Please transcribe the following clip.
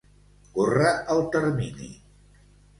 Córrer el termini.